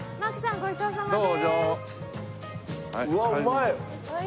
ごちそうさまです。